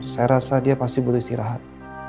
saya rasa dia pasti boleh istirahat